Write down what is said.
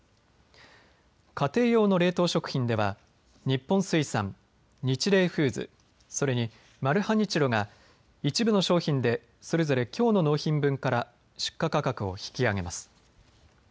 家庭用の冷凍食品では日本水産、ニチレイフーズ、それにマルハニチロが一部の商品でそれぞれきょうの納品分から出荷価格を引き上げます。